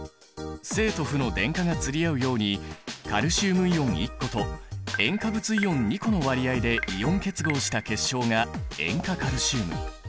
正と負の電荷が釣り合うようにカルシウムイオン１個と塩化物イオン２個の割合でイオン結合した結晶が塩化カルシウム。